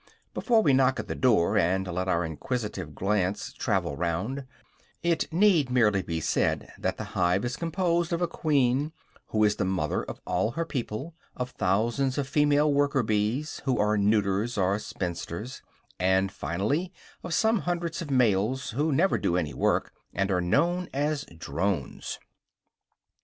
Before we knock at the door, and let our inquisitive glance travel round, it need merely be said that the hive is composed of a queen, who is the mother of all her people; of thousands of female worker bees, who are neuters or spinsters; and, finally, of some hundreds of males, who never do any work, and are known as drones.